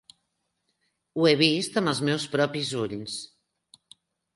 Ho he vist amb els meus propis ulls.